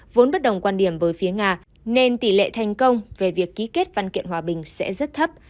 vốn bất đồng quan điểm với phía nga nên tỷ lệ thành công về việc ký kết văn kiện hòa bình sẽ rất thấp